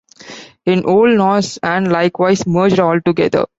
In Old Norse, and likewise merged altogether.